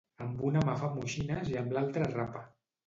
Amb una mà fa moixines i amb l'altra rapa.